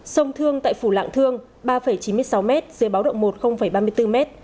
sông thương tại phủ lạng thương ba chín mươi sáu m dưới báo động một ba mươi bốn m